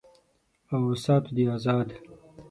او ساتو دې آزاد